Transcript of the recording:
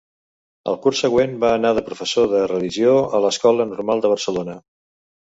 El curs següent, va anar de professor de religió a l'Escola Normal de Barcelona.